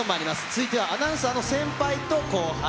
続いてはアナウンサーの先輩と後輩。